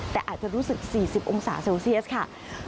แต่อาจจะรู้สึก๔๐องศาเซลเซียสค่ะ